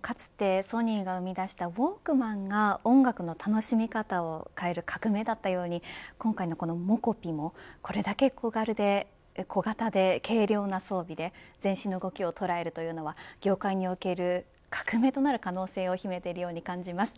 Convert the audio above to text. かつてソニーが生み出したウォークマンが音楽の楽しみ方を変える革命だったように今回の、このｍｏｃｏｐｉもこれだけ小型で軽量な装備で全身の動きを捉えるというのは業界における革命となる可能性を秘めているように感じます。